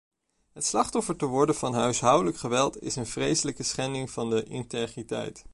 Het slachtoffer te worden van huiselijk geweld is een vreselijke schending van de integriteit.